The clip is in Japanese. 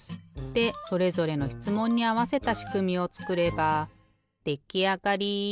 でそれぞれのしつもんにあわせたしくみをつくればできあがり！